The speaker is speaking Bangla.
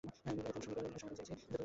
আমি সময় সমীকরণের সমাধান করেছি?